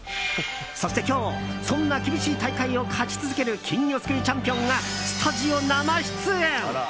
そして今日そんな厳しい大会を勝ち続ける金魚すくいチャンピオンがスタジオ生出演。